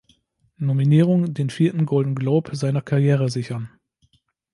Nominierung den vierten Golden Globe seiner Karriere sichern.